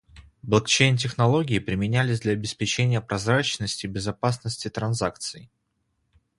Блокчейн технологии применялись для обеспечения прозрачности и безопасности транзакций.